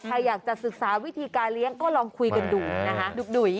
ใครอยากจะศึกษาวิธีการเลี้ยงก็ลองคุยกันดูนะคะ